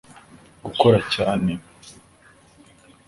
Gukora cyane